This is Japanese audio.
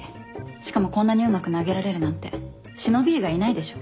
しかもこんなにうまく投げられるなんて忍び以外いないでしょ。